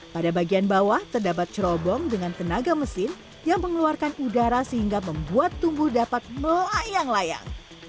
pada bagian bawah terdapat cerobong dengan tenaga mesin yang mengeluarkan udara sehingga membuat tumbuh dapat melayang layang